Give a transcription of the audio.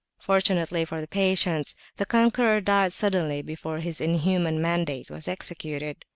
Fortunately for the patients, the conqueror died suddenly before his inhuman mandate was executed.